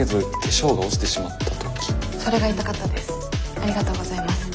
ありがとうございます。